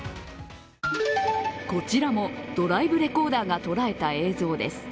こちらもドライブレーコーダーがとらえた映像です。